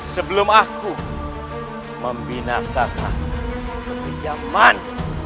sebelum aku membinasakan kebenjaman